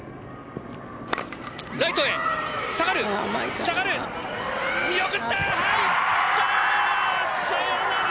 ライトへ下がる、下がる。